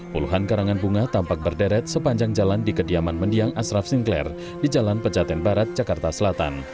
puluhan karangan bunga tampak berderet sepanjang jalan di kediaman mendiang asraf sinclair di jalan pejaten barat jakarta selatan